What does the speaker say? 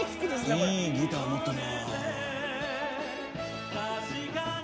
いいギター持ってるな。